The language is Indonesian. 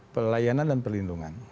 pelayanan dan perlindungan